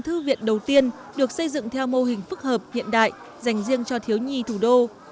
thư viện đầu tiên được xây dựng theo mô hình phức hợp hiện đại dành riêng cho thiếu nhi thủ đô